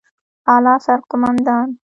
اعلى سرقومندان